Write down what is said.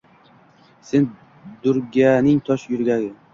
Sen — Durganing tosh yuragi